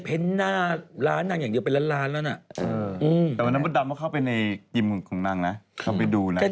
ที่วันนั้นเราไปใช่ไหม